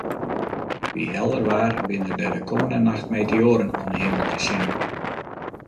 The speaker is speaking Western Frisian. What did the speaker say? By helder waar binne der de kommende nacht meteoaren oan 'e himel te sjen.